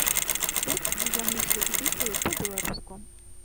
Тут, дзе я мыслю і дыхаю па-беларуску.